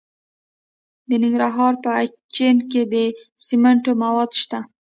د ننګرهار په اچین کې د سمنټو مواد شته.